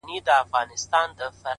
ماته اوس هم راځي حال د چا د ياد,